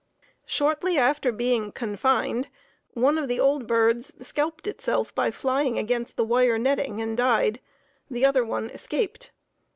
Shortly after being confined, one of the old birds scalped itself by flying against the wire netting, and died; the other one escaped.